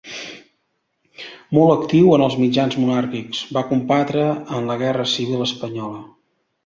Molt actiu en els mitjans monàrquics, va combatre en la Guerra Civil espanyola.